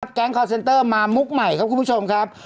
แก๊งคอร์เซนเตอร์มามุกใหม่ครับคุณผู้ชมครับ